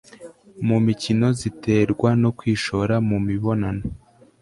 mu mukino ziterwa no kwishora mu mibonano